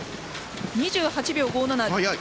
２８秒５７。